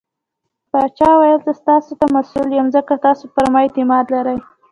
پاچا وويل :زه ستاسو ته مسوول يم ځکه تاسو پرما اعتماد کړٸ .